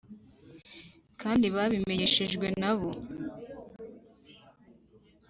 kandi babimenyeshejwe na bo